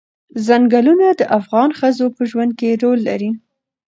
ځنګلونه د افغان ښځو په ژوند کې رول لري.